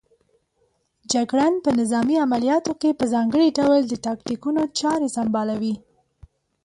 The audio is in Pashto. جګړن په نظامي عملیاتو کې په ځانګړي ډول د تاکتیکونو چارې سنبالوي.